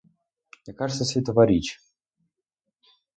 Яка ж це світова річ?